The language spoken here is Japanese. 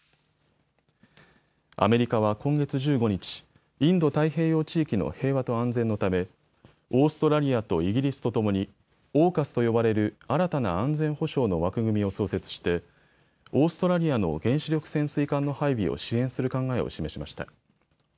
アメリカは今月１５日、インド太平洋地域の平和と安全のためオーストラリアとイギリスとともにＡＵＫＵＳと呼ばれる新たな安全保障の枠組みを創設してオーストラリアの原子力潜水艦の配備を支援する考えを示しました。